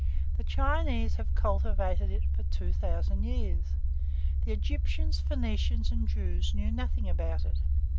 The Chinese have cultivated it for 2,000 years. The Egyptians, Phoenicians, and Jews knew nothing about it.